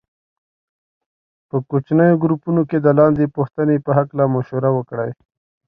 په کوچنیو ګروپونو کې د لاندې پوښتنې په هکله مشوره وکړئ.